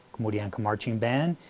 kemudian ke marching band